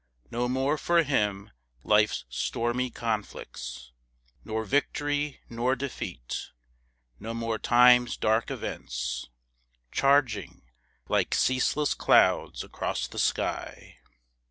No more for him life's stormy conflicts, Nor victory, nor defeat no more time's dark events, Charging like ceaseless clouds across the sky.